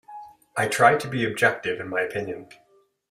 I try to be objective in my opinion.